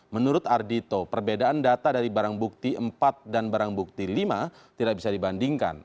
menurut ardhito perbedaan data dari barang bukti empat dan barang bukti lima tidak bisa dibandingkan